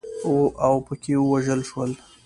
اوپکي ووژل شول.